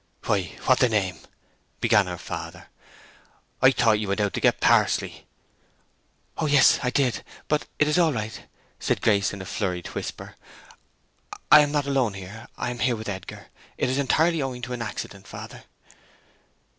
"Why—what the name—" began her father. "I thought you went out to get parsley!" "Oh, yes—I did—but it is all right," said Grace, in a flurried whisper. "I am not alone here. I am here with Edgar. It is entirely owing to an accident, father."